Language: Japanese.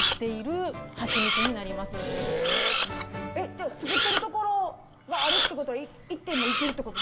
えっ作っているところがあるってことはいつでも行けるってこと？